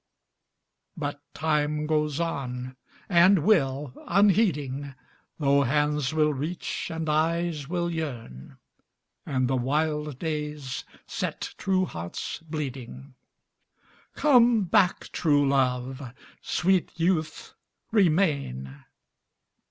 But time goes on, and will, unheeding, Though hands will reach, and eyes will yearn, And the wild days set true hearts bleeding. Come back, true love! Sweet youth, remain!